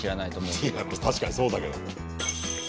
いや確かにそうだけど。